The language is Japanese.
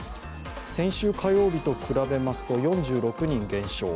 先週火曜日と比べますと４６人減少。